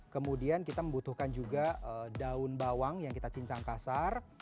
kemudian kita membutuhkan juga daun bawang yang kita cincang kasar